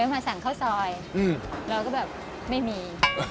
มาสั่งข้าวซอยเราก็แบบไม่มี